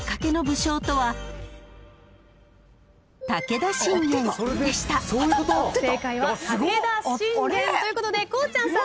正解は武田信玄ということでこうちゃんさん